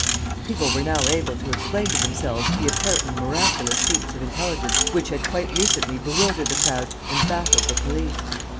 ... People were now able to explain to themselves the apparently miraculous feats of intelligence which had quite recently bewildered the crowd and baffled the police.